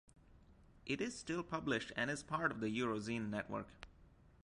It is still published, and is part of the Eurozine network.